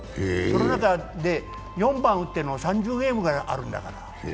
この中で４番を打ってるのが３０ゲームあるんだから。